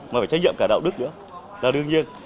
mà phải trách nhiệm cả đạo đức nữa